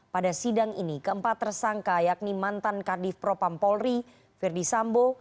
pada sidang ini keempat tersangka yakni mantan kadif propam polri verdi sambo